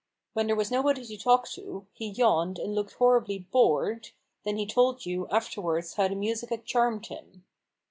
When there was nobody to talk to, he yawned and looked horribly " bored," then he told you, afterwards, how the music had charmed him.